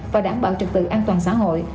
và đảm bảo trực tự an toàn xã hội